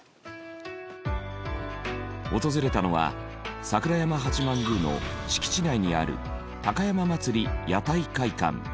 訪れたのは櫻山八幡宮の敷地内にある高山祭屋台会館。